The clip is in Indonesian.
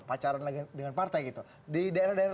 pacaran lagi dengan partai gitu di daerah daerah